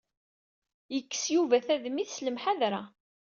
Yekkes Yuba tadimt s lemḥadra.